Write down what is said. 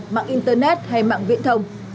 mạng internet hay mạng viễn thông